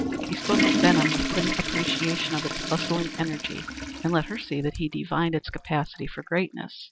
He spoke of Benham with quick appreciation of its bustling energy, and let her see that he divined its capacity for greatness.